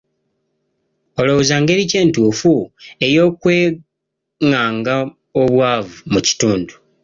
Olowooza ngeri ki entuufu ey'okwengaanga obwavu mu kitundu?